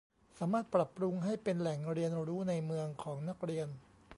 สามารถปรับปรุงให้เป็นแหล่งเรียนรู้ในเมืองของนักเรียน